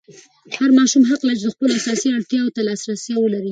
هر ماشوم حق لري چې د خپلو اساسي اړتیاوو ته لاسرسی ولري.